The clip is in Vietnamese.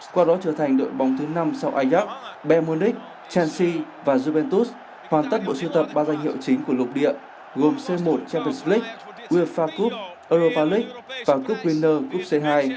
qua đó trở thành đội bóng thứ năm sau ajax bayern munich chelsea và juventus hoàn tất bộ sưu tập ba danh hiệu chính của lục địa gồm c một champions league uefa cup europa league và cup winner cup c hai